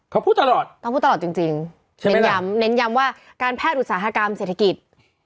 เขาพูดตลอดต้องพูดตลอดจริงเน้นย้ำเน้นย้ำว่าการแพทย์อุตสาหกรรมเศรษฐกิจ